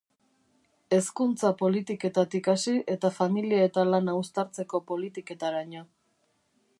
Hezkuntza politiketatik hasi eta familia eta lana uztartzeko politiketaraino.